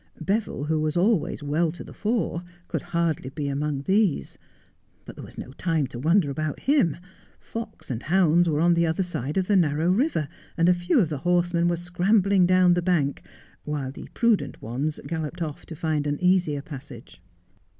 Beville, who was always well to the fore, could hardly be among these ; but there was no time to wonder about him. Fox and hounds were on the other side of the narrow river, and a few of the horsemen were scrambling down the bank, while the prudent ones galloped off to find an easier passage.